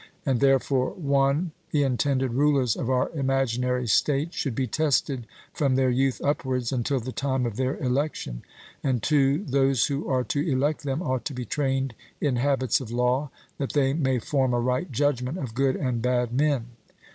And therefore (1) the intended rulers of our imaginary state should be tested from their youth upwards until the time of their election; and (2) those who are to elect them ought to be trained in habits of law, that they may form a right judgment of good and bad men.